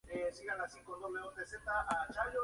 Ellos unen el corazón nuevamente y felizmente cobra vida.